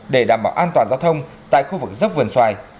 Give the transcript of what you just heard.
để đảm bảo an toàn giao thông tại khu vực dốc vườn xoài